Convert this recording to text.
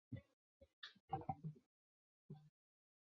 津田山站南武线的铁路车站。